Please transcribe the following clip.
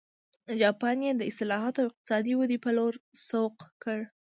جاپان یې د اصلاحاتو او اقتصادي ودې په لور سوق کړ.